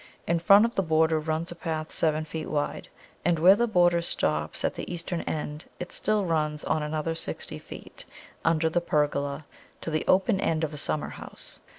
In front of the border runs a path seven feet wide, and where the border stops at the eastern end it still runs on another sixty feet, under the pergola, to the open end of a summer house.